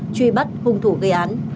truy bắt hung thủ gây án